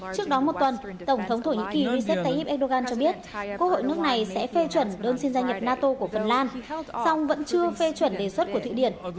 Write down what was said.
trước đó một tuần tổng thống thổ nhĩ kỳ recep tayyip erdogan cho biết quốc hội nước này sẽ phê chuẩn đơn xin gia nhập nato của phần lan song vẫn chưa phê chuẩn đề xuất của thụy điển